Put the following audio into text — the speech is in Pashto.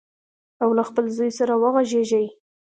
او له خپل زوی سره وغږیږي.